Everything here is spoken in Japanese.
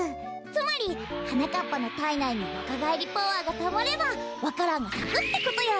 つまりはなかっぱのたいないにわかがえりパワーがたまればわか蘭がさくってことよ！